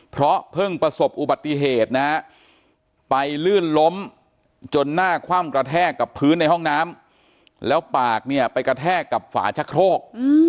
เพราะเพิ่งประสบอุบัติเหตุนะฮะไปลื่นล้มจนหน้าคว่ำกระแทกกับพื้นในห้องน้ำแล้วปากเนี่ยไปกระแทกกับฝาชะโครก